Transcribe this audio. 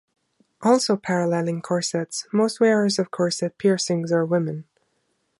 Also paralleling corsets, most wearers of corset piercings are women.